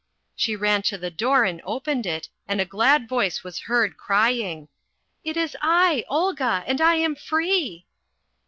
She ran to the door and opened it, and a glad voice was heard crying. "It is I, Olga, and I am free!"